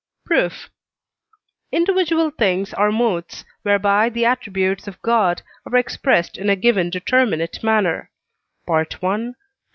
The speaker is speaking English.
Proof. Individual things are modes whereby the attributes of God are expressed in a given determinate manner (I.